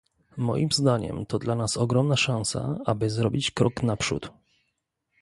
Moim zdaniem to dla nas ogromna szansa, aby zrobić krok naprzód